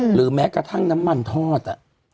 หรือแม้กระทั่งน้ำมันทอด